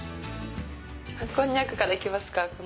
こんにゃくから行きますか。